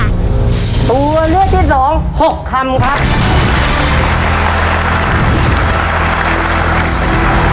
ตัวเลือกที่๒๖คำค่ะ